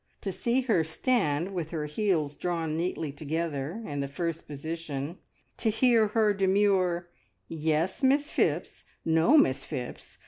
To see her stand with her heels drawn neatly together in the first position; to hear her demure, "Yes, Miss Phipps!" "No, Miss Phipps!"